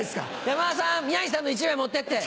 山田さん宮治さんの１枚持ってって。